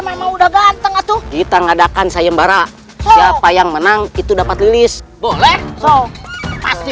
memang udah ganteng atau kita ngadakan sayembara siapa yang menang itu dapat list boleh pasti